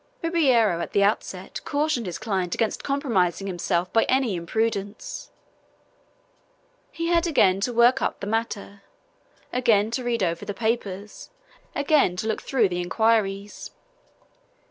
Ribeiro at the outset cautioned his client against compromising himself by any imprudence. He had again to work up the matter, again to read over the papers, again to look through the inquiries.